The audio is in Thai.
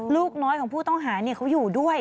ลูกน้อยของผู้ต้องหาเขาอยู่ด้วย